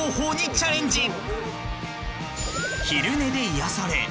［昼寝で癒やされ］